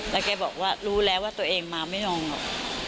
แล้วแกบอกว่ารู้แล้วว่าตัวเองมาไม่ลงหรอก